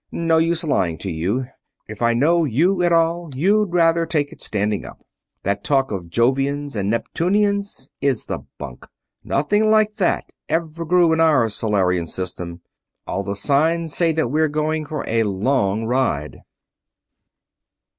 "No use lying to you if I know you at all you'd rather take it standing up. That talk of Jovians or Neptunians is the bunk nothing like that ever grew in our Solarian system. All the signs say that we're going for a long ride."